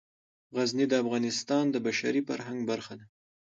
غزني د افغانستان د بشري فرهنګ برخه ده.